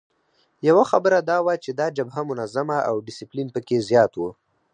یوه خبره دا وه چې دا جبهه منظمه او ډسپلین پکې زیات وو.